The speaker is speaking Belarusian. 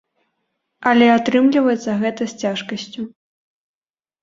Але атрымліваецца гэта з цяжкасцю.